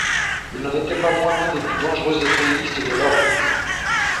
Il n'en était pas moins l'un des plus dangereux épéistes de l'ordre.